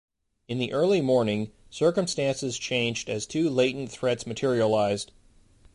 In the early morning, circumstances changed as two latent threats materialized.